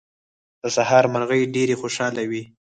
د سهار مرغۍ ډېرې خوشاله وې.